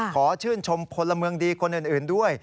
ขอชื่นชมพลเมืองดีคนอื่นด้วย